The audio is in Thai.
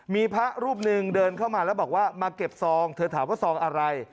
มีพระรูปหนึ่งเดินเข้ามาแล้วบอกว่ามาเก็บซองเธอถามว่าซองอะไร